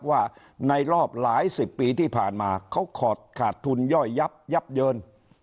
ว่าในรอบหลายสิบปีที่ผ่านมาเขาขาดทุนย่อยยับยับเยิน